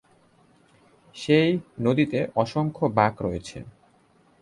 সেই নদীতে অসংখ্য বাঁক রয়েছে।